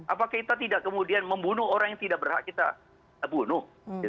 apakah kita tidak kemudian membunuh orang yang tidak berhak kita bunuh